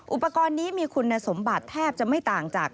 อุปกรณ์นี้มีคุณสมบัติแทบจะไม่ต่างจาก